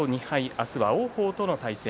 明日は王鵬との対戦。